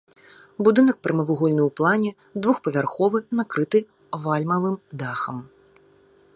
Будынак прамавугольны ў плане, двухпавярховы, накрыты вальмавым дахам.